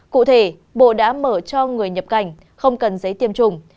cụ thể bộ đã mở cho người nhập cảnh không cần giấy tiêm chủng